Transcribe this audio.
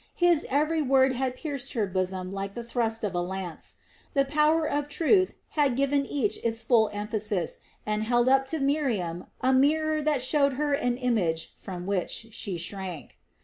His every word had pierced her bosom like the thrust of a lance. The power of truth had given each its full emphasis and held up to Miriam a mirror that showed her an image from which she shrank.